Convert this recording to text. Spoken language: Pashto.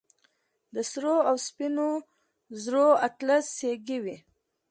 د سرو او سپينو زرو اتلس سيکې وې.